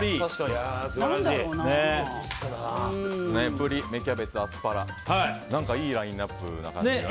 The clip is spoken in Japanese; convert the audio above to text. ブリ、芽キャベツ、アスパラ何かいいラインアップな感じが。